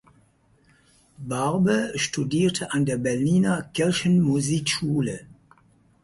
Barbe studierte an der Berliner Kirchenmusikschule.